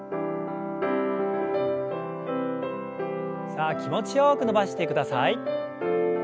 さあ気持ちよく伸ばしてください。